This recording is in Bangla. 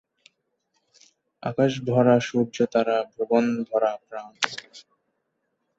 আকাশ ভরা সূর্যতারা, ভুবন ভরা প্রাণ।